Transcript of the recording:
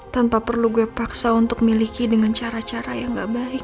tanpa perlu gue paksa untuk miliki dengan cara cara yang gak baik